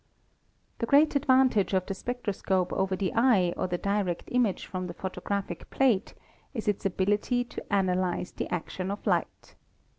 The great advantage of the spectroscope over the eye or the direct image from the photographic plate is its ability 36 ASTRONOMY to analyze the action of light.